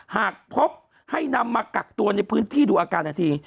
หากพบให้นำมากักตัวในพื้นที่ดูอาการนาที